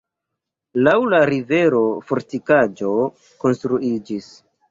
Laŭ la rivero fortikaĵo konstruiĝis.